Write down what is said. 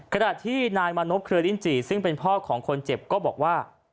ขณะที่นายมานพเครือลิ้นจีซึ่งเป็นพ่อของคนเจ็บก็บอกว่า